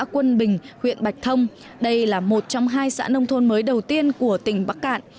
quân bình huyện bạch thông đây là một trong hai xã nông thôn mới đầu tiên của tỉnh bắc cạn